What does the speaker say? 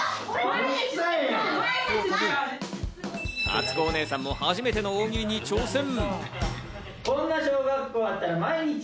あつこお姉さんも初めての大喜利に挑戦。